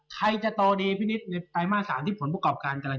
ใครจะโตดีในไตมาส๓ที่ผลบุกอบการกัน